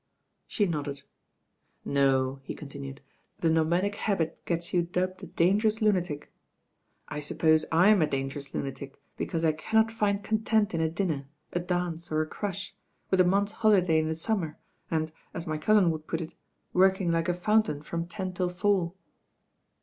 She nodded. "No," he continued, "the nomadic habit gets you dubbed a dangerous lunatic. I suppose I'm a dan gerous lunatic, because I cannot find content in a dinner, a dance, or a crush, with a month's holiday in the summer and, as my cousin would put it, work ing like a fountain from ten till four."